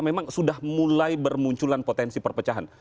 memang sudah mulai bermunculan potensi perpecahan